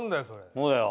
そうだよ。